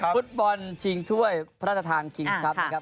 ฟุตบอลชิงถ้วยพระราชทานคิงส์ครับนะครับ